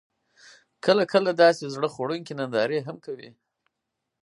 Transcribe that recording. کله، کله داسې زړه خوړونکې نندارې هم کوي: